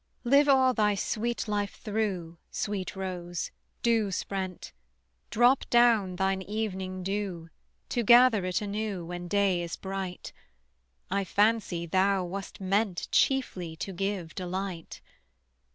Live all thy sweet life through Sweet Rose, dew sprent, Drop down thine evening dew To gather it anew When day is bright: I fancy thou wast meant Chiefly to give delight.